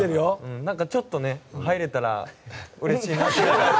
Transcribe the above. ちょっと入れたらうれしいなって。